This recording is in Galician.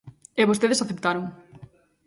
E vostedes aceptaron.